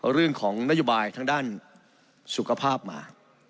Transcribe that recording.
เรื่องของนโยบายทางด้านสุขภาพมา